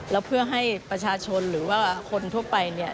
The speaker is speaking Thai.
แล้วเพื่อให้ประชาชนหรือว่าคนทั่วไปเนี่ย